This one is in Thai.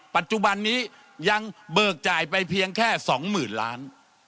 ปัจจุบันนี้ยังเบิกจ่ายไปเพียงแค่๒๐๐๐ล้าน